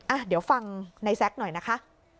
อ่ะเดี๋ยวฟังในแซ็กหน่อยนะคะ